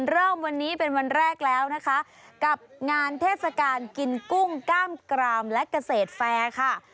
เริ่มวันนี้เป็นวันแรกแล้วนะคะกับงานเทศกาลกินกุ้งกล้ามกรามและเกษตรแฟร์ค่ะ